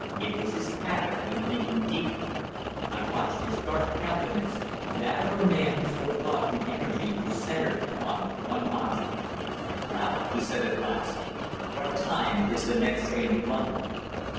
It was his habit when thinking deeply. I watched his dark countenance that of a man whose whole thought and energy were centred upon one object. "Ralph," he said at last, "what time is the next train to London?"